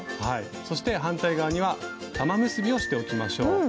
はいそして反対側には玉結びをしておきましょう。